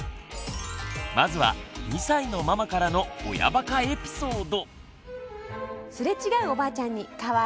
まずは２歳のママからの親バカエピソード。